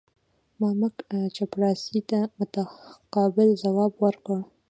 مامدک چپړاسي ته متقابل ځواب ورکړ.